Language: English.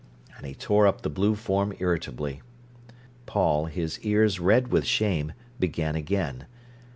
And he tore up the blue form irritably. Paul, his ears red with shame, began again.